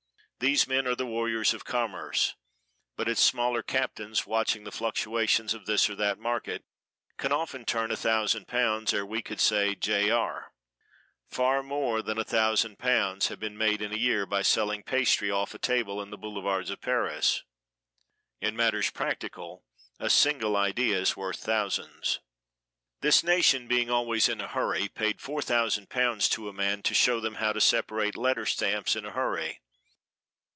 These men are the warriors of commerce; but its smaller captains, watching the fluctuations of this or that market, can often turn a thousand pounds ere we could say J. R. Far more than a thousand pounds have been made in a year by selling pastry off a table in the Boulevards of Paris. In matters practical a single idea is worth thousands. This nation being always in a hurry paid four thousand pounds to a man to show them how to separate letter stamps in a hurry.